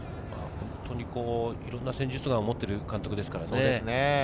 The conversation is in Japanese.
いろんな戦術眼を持っている監督ですからね。